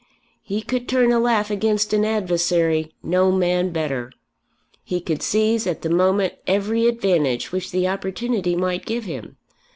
He could turn a laugh against an adversary; no man better. He could seize, at the moment, every advantage which the opportunity might give him.